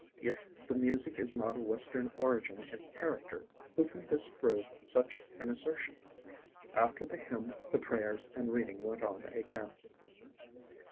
If the music is not of Western origin and character, who can disprove such an assertion? After the hymn the prayers and reading went on again.